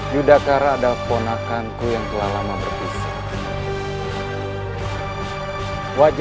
yudakara adalah ponakanku yang telah lama berpisah